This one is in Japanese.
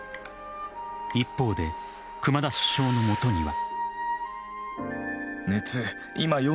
一方で熊田主将のもとには。